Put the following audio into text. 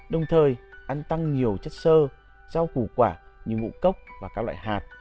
đồng thời ăn tăng nhiều chất sơ rau củ quả như ngũ cốc và các loại hạt